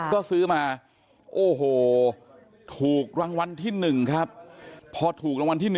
ก็ซื้อมาโอ้โหถูกรางวัลที่๑ครับพอถูกรางวัลที่๑